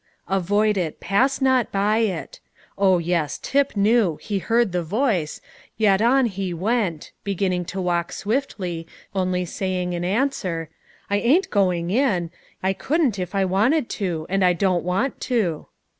"Avoid it, pass not by it." Oh yes, Tip knew; he heard the voice, yet on he went; beginning to walk swiftly, only saying in answer, "I ain't going in; I couldn't if I wanted to; and I don't want to."